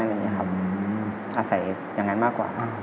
อาศัยอย่างนั้นมากกว่า